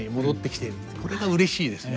これがうれしいですね。